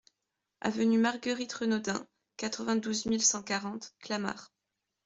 Avenue Marguerite Renaudin, quatre-vingt-douze mille cent quarante Clamart